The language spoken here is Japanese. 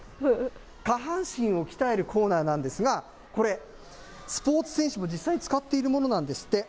下半身を鍛えるコーナーなんですが、これ、スポーツ選手も実際に使っているものなんですって。